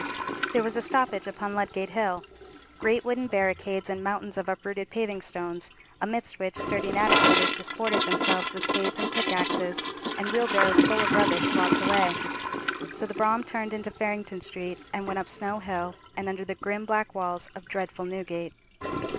There was a stoppage upon Ludgate Hill. Great wooden barricades and mountains of uprooted paving stones, amidst which sturdy navigators disported themselves with spades and pickaxes, and wheelbarrows full of rubbish, blocked the way; so the brougham turned into Farringdon Street, and went up Snow Hill, and under the grim black walls of dreadful Newgate.